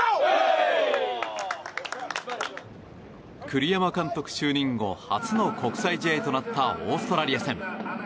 栗山監督就任後初の国際試合となったオーストラリア戦。